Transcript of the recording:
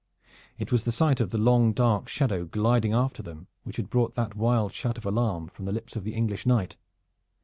It was the sight of the long dark shadow gliding after them which had brought that wild shout of alarm from the lips of the English knight.